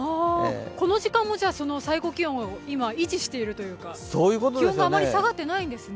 この時間も最高気温は今、維持しているというか、気温があまり下がっていないんですね。